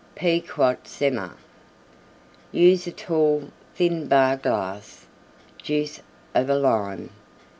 PEQUOT SEMER Use a tall, thin Bar glass. Juice of a Lime.